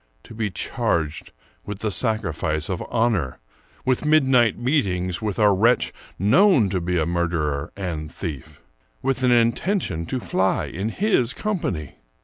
To be charged with the sacrifice of honor! with midnight meetings with a wretch known to be a murderer and thief! with an intention to fly in his company!